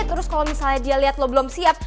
terus kalo misalnya dia liat lo belum siap